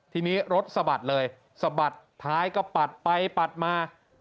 ทีนี้รถสะบัดเลยสะบัดท้ายก็ปัดไปปัดมา